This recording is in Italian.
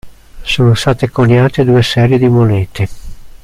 Sono state coniate due serie di monete.